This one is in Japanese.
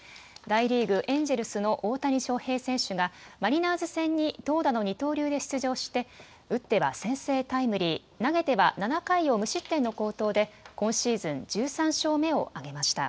大リーグ・エンジェルスの大谷翔平選手が、マリナーズ戦に投打の二刀流で出場して、打っては先制タイムリー、投げては７回を無失点の好投で今シーズン１３勝目を挙げました。